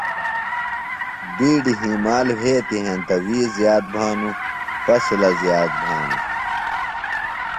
بِیڈیۡ ہیمال وھئتیۡ ہینتہ وِی زِیات بھانوۡ۔ فصلہ زِیات بھانہ۔